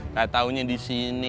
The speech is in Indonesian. gak taunya disini